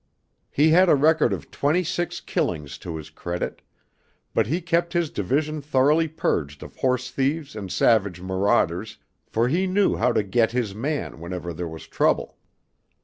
He had a record of twenty six "killings" to his credit, but he kept his Division thoroughly purged of horse thieves and savage marauders, for he knew how to "get" his man whenever there was trouble.